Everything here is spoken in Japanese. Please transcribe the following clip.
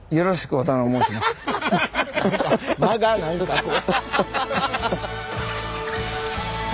間が何かこう。